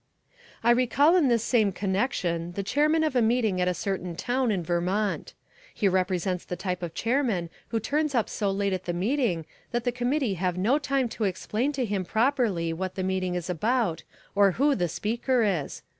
I recall in this same connection the chairman of a meeting at a certain town in Vermont. He represents the type of chairman who turns up so late at the meeting that the committee have no time to explain to him properly what the meeting is about or who the speaker is.